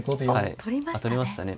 取りましたね。